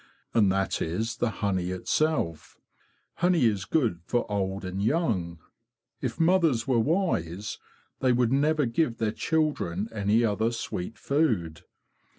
And that is the honey itself. Honey is good for old and young. If mothers were wise they would never give their children any other sweet food.